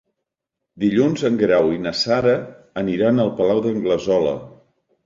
Dilluns en Guerau i na Sara aniran al Palau d'Anglesola.